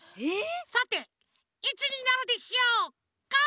さていつになるでしょうか？